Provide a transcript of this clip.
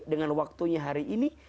dengan waktunya hari ini